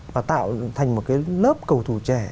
và tạo thành một cái lớp cầu thủ trẻ